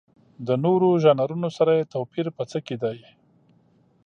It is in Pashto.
د نورو ژانرونو سره یې توپیر په څه کې دی؟